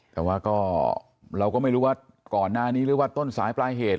แต่ว่าก็เราก็ไม่รู้ว่าก่อนหน้านี้หรือว่าต้นสายปลายเหตุ